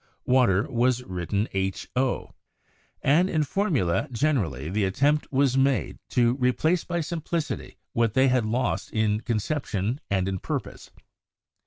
Water was written HO, and in formulae generally the attempt was made to 218 CHEMISTRY replace by simplicity what they had lost in conception and in purpose.